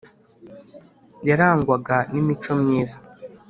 yarangwaga n’imico myiza